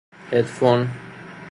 هدفون